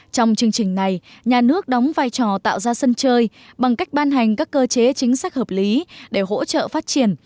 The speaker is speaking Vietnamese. trong chương trình này nhà nước đóng vai trò tạo ra sân chơi bằng cách ban hành các cơ chế chính sách hợp lý để hỗ trợ phát triển